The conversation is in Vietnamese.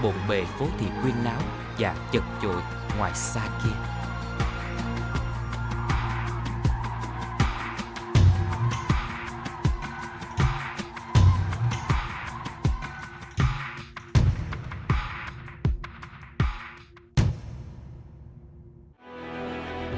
bộn bề phố thị quý náo và chật chội ngoài xa kia